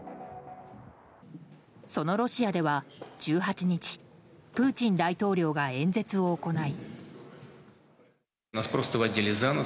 そのロシアでは１８日プーチン大統領が演説を行い。